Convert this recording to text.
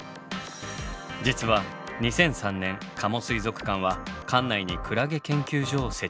実は２００３年加茂水族館は館内にクラゲ研究所を設置したのです。